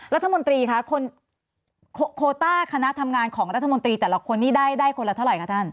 รัฐมนตรีคะคนโคต้าคณะทำงานของรัฐมนตรีแต่ละคนนี้ได้คนละเท่าไหร่คะท่าน